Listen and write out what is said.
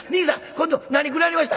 今度何くれはりました？